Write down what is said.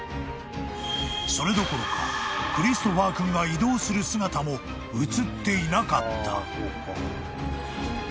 ［それどころかクリストファー君が移動する姿も写っていなかった］